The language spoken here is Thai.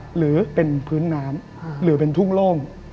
หรือเป็นพื้นน้ำหรือเป็นทุ่งโล่ง